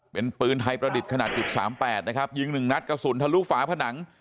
เป็นปืนไทยประดิษฐ์ขนาด๑๓๘ยิงหนึ่งนัดกระสุนทะลูกฝาผนัง